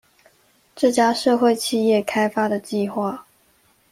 這家社會企業開發的計畫